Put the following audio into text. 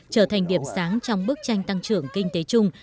trở thành điểm sáng trong bức tranh tăng trưởng kinh tế chung